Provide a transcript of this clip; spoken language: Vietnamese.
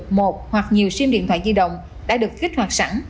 các nhà sở hữu được một hoặc nhiều sim điện thoại di động đã được kích hoạt sẵn